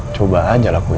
coba aja lah punya